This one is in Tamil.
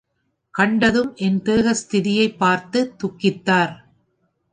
கண்டதும் என் தேக ஸ்திதியைப் பார்த்துத் துக்கித்தார்.